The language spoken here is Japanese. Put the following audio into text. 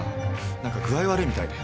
何か具合悪いみたいで。